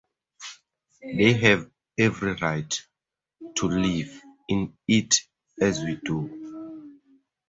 They have every right to live in it as we do.